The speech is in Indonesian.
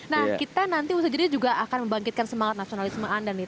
nah kita nanti usaha jeda juga akan membangkitkan semangat nasionalisme anda nih